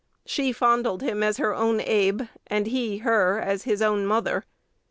She fondled him as her own "Abe," and he her as his own mother.